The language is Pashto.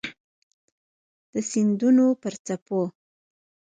د سیندونو پر څپو